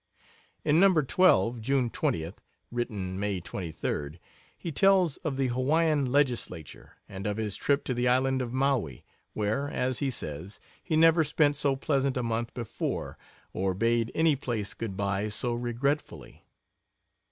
In No. 12, June 20th (written May 23d), he tells of the Hawaiian Legislature, and of his trip to the island of Maui, where, as he says, he never spent so pleasant a month before, or bade any place good by so regretfully.